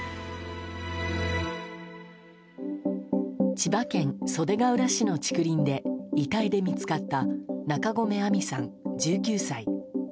千葉県袖ケ浦市の竹林で遺体で見つかった中込愛美さん、１９歳。